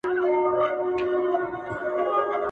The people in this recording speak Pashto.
یا وینه ژاړي یا مینه ..